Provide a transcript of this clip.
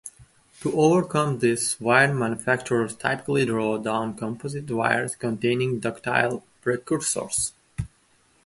To overcome this, wire manufacturers typically draw down composite wires containing ductile precursors.